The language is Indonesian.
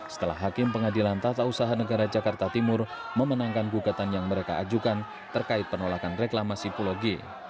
setelah hakim pengadilan tata usaha negara jakarta timur memenangkan gugatan yang mereka ajukan terkait penolakan reklamasi pulau g